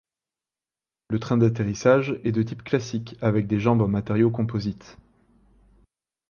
Le train d'atterrissage est de type classique avec des jambes en matériaux composites.